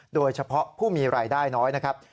โดยเฉพาะผู้มีรายได้น้อยนะครับ